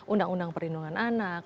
undang undang perlindungan anak